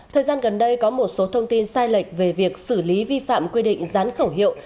thời gian gần đây có một số thông tin sai lệch về việc xử lý vi phạm quy định gián khẩu hiệu